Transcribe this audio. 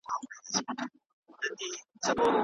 هغه اوسمهال د خپل راتلونکي په اړه ښه فکرونه کوي.